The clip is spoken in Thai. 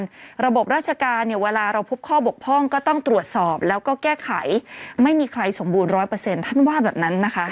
ว่าระบบราชการเวลาพบข้อบกพ่องก็ต้องตรวจสอบแล้วก็แก้ไขไม่มีใครสมบูรณ์๑๐๐